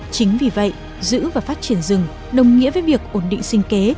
chính vì vậy giữ và phát triển rừng đồng nghĩa với việc ổn định sinh kế